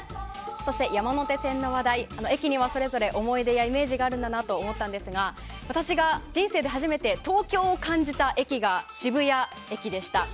そして、山手線の話題駅にはそれぞれ思い出やイメージがあるんだなって思ったんですが私が人生で初めて東京を感じた駅が渋谷駅でした。